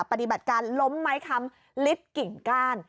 ปฏิบัติการล้มไม้คำลิฟต์กิ่งก้าน